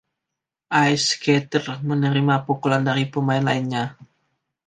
Ice skater menerima pukulan dari pemain lainnya.